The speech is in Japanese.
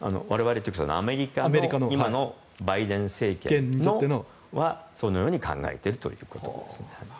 アメリカの今のバイデン政権はそのように考えているということですね。